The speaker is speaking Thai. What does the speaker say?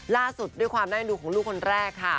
ล่าสุดด้วยความน่าดูของลูกคนแรกค่ะ